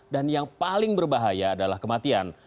dan yang paling berbahaya adalah kematian